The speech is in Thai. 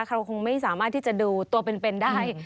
เราคงไม่สามารถที่จะดูตัวเป็นได้